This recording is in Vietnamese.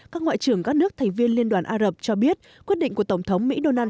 các ngoại trưởng các nước thành viên liên đoàn á rập cho biết quyết định của tổng thống mỹ donald trump